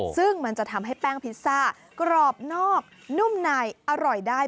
ซึ่งมันจะทำให้แป้งพิซซ่ากรอบนอกนุ่มในอร่อยได้